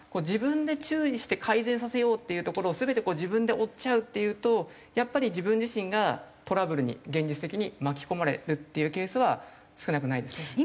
自分で注意して改善させようっていうところを全て自分で負っちゃうっていうとやっぱり自分自身がトラブルに現実的に巻き込まれるっていうケースは少なくないですね。